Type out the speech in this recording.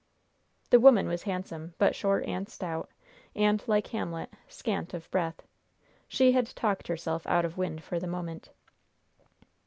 The woman was handsome, but short and stout, and, like Hamlet, "scant o' breath." She had talked herself out of wind for the moment.